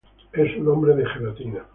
Es un hombre de gelatina.